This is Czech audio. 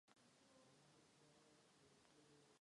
V klíčové baráži o postup pak přehrál Chile.